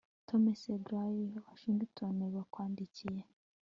tomy ese gladys, i washington bakwandikiye